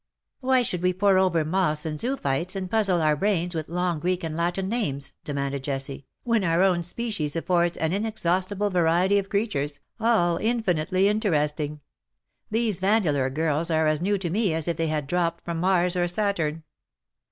" Why should we pore over moths and zoophytes, and puzzle our brains with long Greek and Latin names/' demanded Jessie, "when our own species affords an inexhaustible variety of creatures, all infi nitely interesting. These Vandeleur girls are as new to me as if they had dropped from Mars or Saturn."